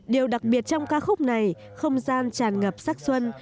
điều đặc biệt trong ca khúc này không gian tràn ngập sắc xuân